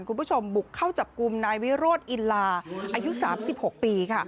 คุณผู้ชมบุกเข้าจับกลุ่มนายวิโรธอินลาอายุ๓๖ปีค่ะ